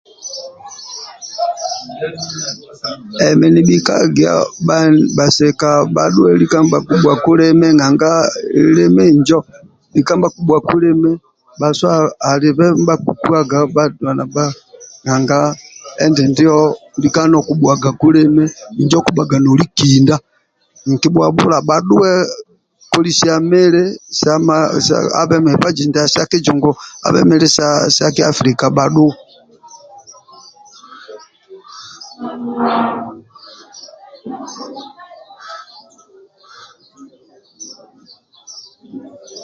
Emi nibhi ka gia bhasika bhadhuwe lika nibhakibhuwaku limi nanga lim injo lika nibhkibhuwaku limi bhaso alibe ndi bha kikuwaga bhadulana bha nanga endindio lika nokubhuagaku limi injo okubhaga noli kinda nkibhuabhula bhadhuwe kolisa mili da kijungu abhe sa ki afilika bhadhuwe